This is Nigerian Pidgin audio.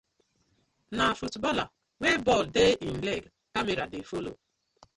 Na footballer wey ball dey im leg camera dey follow.